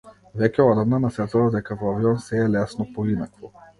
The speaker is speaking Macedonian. Веќе одамна насетував дека во авион сѐ е лесно, поинакво.